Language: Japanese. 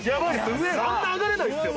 上あんな上がれないですよ